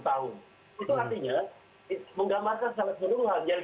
itu artinya menggambarkan secara keseluruhan